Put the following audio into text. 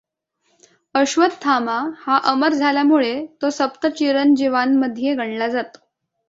अश्वथामा हा अमर झाल्यामुळे तो सप्तचिरंजीवांमध्ये गणला जातो.